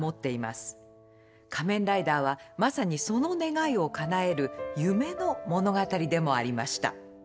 「仮面ライダー」はまさにその願いをかなえる夢の物語でもありました。